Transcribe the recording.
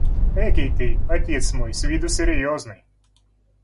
– Экий ты, отец мой, с виду серьезный!